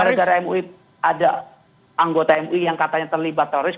negara mui ada anggota mui yang katanya terlibat teroris